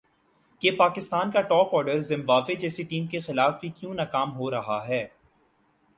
کہ پاکستان کا top order Zimbabwe جیسی ٹیم کے خلاف بھی کیوں ناکام ہو رہا ہے